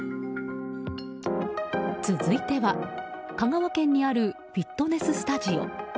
続いては、香川県にあるフィットネススタジオ。